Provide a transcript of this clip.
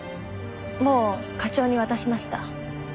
もう課長に渡しました。